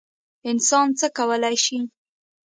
انسان څه کولی شي؟